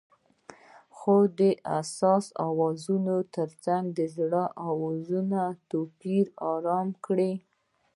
هغې د حساس اوازونو ترڅنګ د زړونو ټپونه آرام کړل.